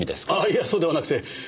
いやそうではなくて。